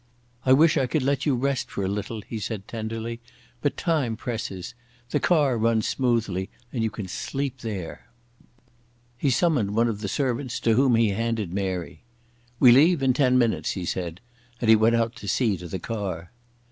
"I wish I could let you rest for a little," he said tenderly, "but time presses. The car runs smoothly and you can sleep there." He summoned one of the servants to whom he handed Mary. "We leave in ten minutes," he said, and he went out to see to the car.